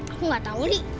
aku gak tau li